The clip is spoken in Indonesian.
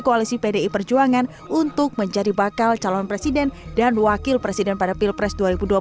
koalisi pdi perjuangan untuk menjadi bakal calon presiden dan wakil presiden pada pilpres